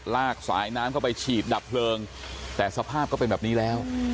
สายน้ำเข้าไปฉีดดับเพลิงแต่สภาพก็เป็นแบบนี้แล้ว